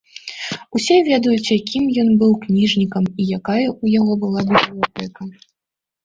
Усе ведаюць, якім ён быў кніжнікам і якая ў яго была бібліятэка.